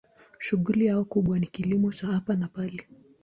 Shughuli yao kubwa ni kilimo cha hapa na pale.